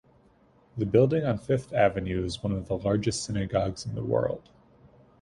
The building on Fifth Avenue is one of the largest synagogues in the world.